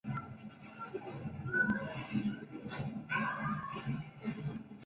Es originaria de Bosnia y Herzegovina.